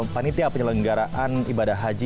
panitia penyelenggaraan ibadah haji